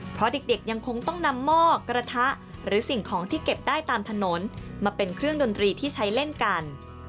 เพราะเด็กยังคงต้องนำหม้อกระทะหรือสิ่งของที่เก็บได้ตามถนนมาเป็นเครื่องดนตรีที่ใช้เล่นกัน